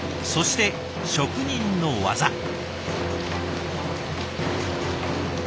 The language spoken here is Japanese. そして職人の技。